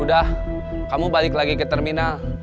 udah kamu balik lagi ke terminal